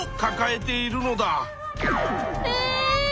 え！